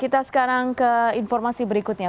kita sekarang ke informasi berikutnya